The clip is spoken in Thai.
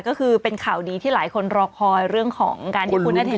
ก็คือเป็นข่าวดีที่หลายคนรอคอยเรื่องของการที่คุณอนุทิน